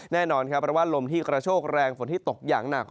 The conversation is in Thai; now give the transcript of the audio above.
แน่นอนครับเพราะว่าลมที่กระโชกแรงฝนที่ตกอย่างหนัก